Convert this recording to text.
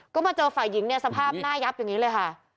ก็มาเจาฝ่ายิงสภาพหน้ายับอย่างนี้เลยค่ะ